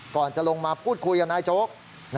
ก่อนจะลงมาพูดคุยกับนายโจ๊ก